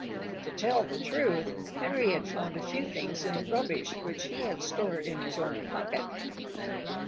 To tell the truth, Henry had found a few things in the rubbish which he had stored in his own pocket.